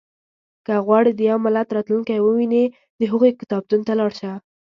• که غواړې د یو ملت راتلونکی ووینې، د هغوی کتابتون ته لاړ شه.